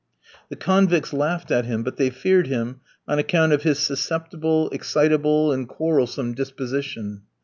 The convicts laughed at him; but they feared him, on account of his susceptible, excitable, and quarrelsome disposition.